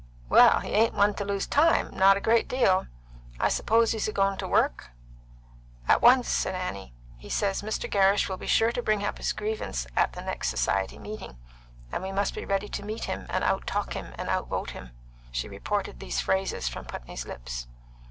"Well, he ain't one to lose time, not a great deal. I presume he's goin' to work?" "At once," said Annie. "He says Mr. Gerrish will be sure to bring his grievance up at the next Society meeting, and we must be ready to meet him, and out talk him and out vote him." She reported these phrases from Putney's lips.